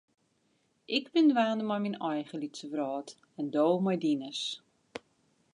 Ik bin dwaande mei myn eigen lytse wrâld en do mei dines.